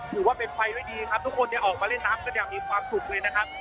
ถือว่าเป็นไปด้วยดีทุกคนออกมาเล่นนักก็จะมีความสุขเลยนะครับ